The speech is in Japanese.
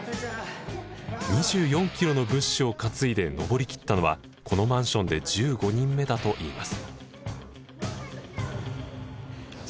２４キロの物資を担いで上りきったのはこのマンションで１５人目だといいます。